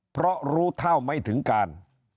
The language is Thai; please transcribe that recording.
เพราะรู้เท่าไม่ถึงการ